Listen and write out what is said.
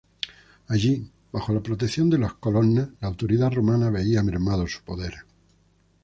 Allí, bajo la protección de los Colonna, la autoridad romana veía mermado su poder.